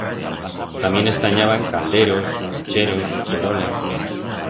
Tamién estanyaban calderos, pucheros, perolas...